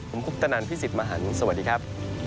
ผมคุปตนันพี่สิทธิ์มหันฯสวัสดีครับ